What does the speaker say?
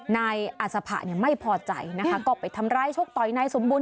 นายอัศพะไม่พอใจนะคะก็ไปทำร้ายชกต่อยนายสมบูรณ